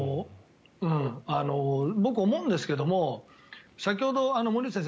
僕、思うんですけど先ほど、森内先生